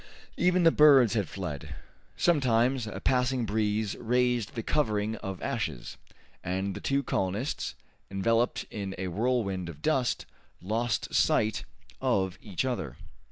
Even the birds had fled. Sometimes a passing breeze raised the covering of ashes, and the two colonists, enveloped in a whirlwind of dust, lost sight of each other.